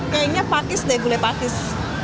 kayaknya pakis deh gulai pakis